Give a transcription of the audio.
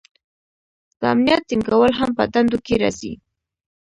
د امنیت ټینګول هم په دندو کې راځي.